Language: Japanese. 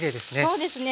そうですね。